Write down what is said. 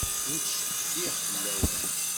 Ur ttcetkiɣ fell-awen.